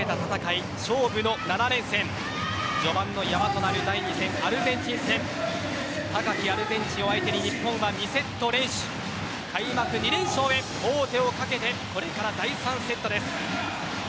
序盤の山となる第２戦アルゼンチン戦高きアルゼンチンを相手に日本は２セット連取開幕２連勝へ、王手をかけてこれから第３セットです。